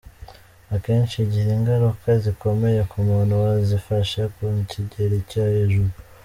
Akenshi igira ingaruka zikomeye ku muntu wazifashe ku kigero cyo hejuru.